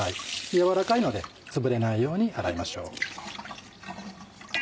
柔らかいのでつぶれないように洗いましょう。